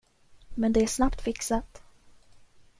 Men det är snabbt fixat.